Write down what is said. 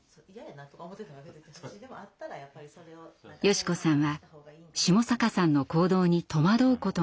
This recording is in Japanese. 佳子さんは下坂さんの行動に戸惑うことが増えています。